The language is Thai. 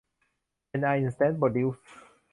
เอ็นอาร์ อินสแตนท์ โปรดิวซ์